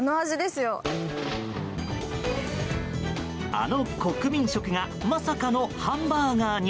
あの国民食がまさかのハンバーガーに。